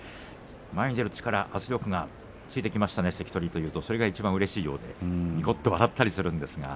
前に出る力、圧力がついてきましたね、と言うとそれがいちばんうれしいようでにこっと笑ったりします。